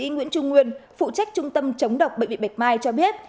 nguyễn trung nguyên phụ trách trung tâm chống độc bệnh viện bạch mai cho biết